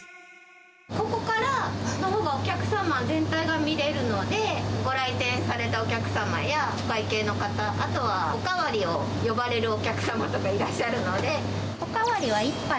ここからお客様全体が見れるので、ご来店されたお客様やお会計の方、あとはおかわりを呼ばれるお客様とかいらっしゃるので。